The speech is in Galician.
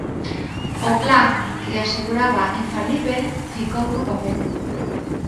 O plan, que aseguraba infalíbel, ficou no papel.